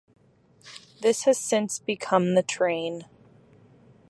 This has since become the train.